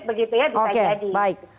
begitu ya bisa jadi